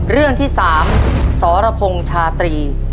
เรื่องที่๓สรพงศ์ชาตรี